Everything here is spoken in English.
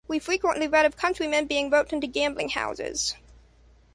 We frequently read of country-men being roped into gambling-houses.